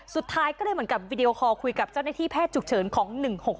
สุดท้ายก็เลยเหมือนกับวิดีโอคอลคุยกับเจ้าหน้าที่แพทย์ฉุกเฉินของ๑๖๖